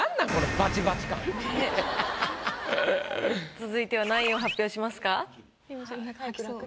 続いては何位を発表しますか？